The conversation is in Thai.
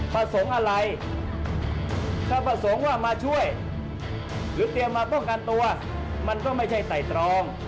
ประสงค์อะไรถ้าประสงค์ว่ามาช่วยหรือเตรียมมาป้องกันตัวมันก็ไม่ใช่ไต่ตรอง